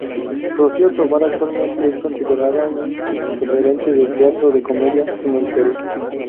Rocío Tovar actualmente es considerada un referente del teatro de comedia en el Perú.